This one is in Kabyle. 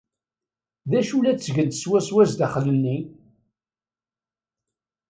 D acu la ttgent swaswa sdaxel-nni?